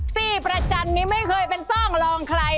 ซี่ประจันนี้ไม่เคยเป็นซ่องรองใคร